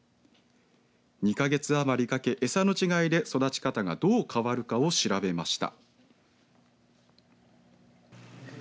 ２か月余りかけ餌の違いで育ち方がどう変わるかを調べました。